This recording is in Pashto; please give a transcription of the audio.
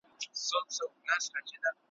چي له سر څخه د چا عقل پردی سي ,